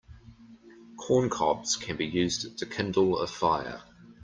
Corn cobs can be used to kindle a fire.